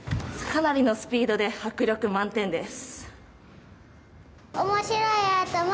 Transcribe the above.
かなりのスピードで迫力満点です。